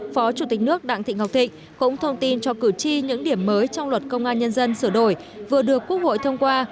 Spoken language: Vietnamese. phó chủ tịch nước đặng thị ngọc thịnh cũng thông tin cho cử tri những điểm mới trong luật công an nhân dân sửa đổi vừa được quốc hội thông qua